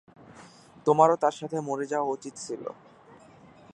তোমারও তার সাথে মরে যাওয়া উচিৎ ছিল!